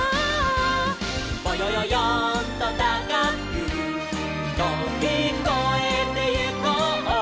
「ぼよよよんとたかくとびこえてゆこう」